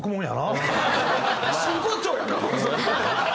真骨頂やんか。